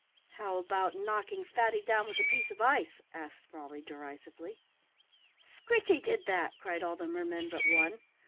"How about knocking Fatty down with a piece of ice?" asked Sprawley, derisively. "Scritchy did that," cried all the mermen but one.